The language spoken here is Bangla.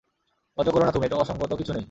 লজ্জা করো না তুমি, এতে অসংগত কিছুই নেই।